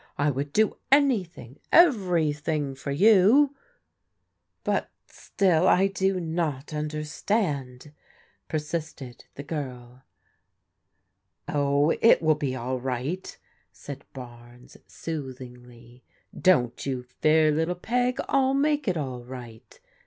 I would do anything, everything for you !" But still I do not understand," persisted the girl. Oh, it wUl be all right," said Barnes, soo\Km^^\ 160 PRODIGAL DAUGHTERS don't you fear, littie Peg ; 111 make it all right.